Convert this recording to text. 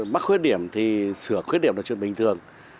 mắc khuyết điểm thì sửa khuyết điểm là chuyện bình thường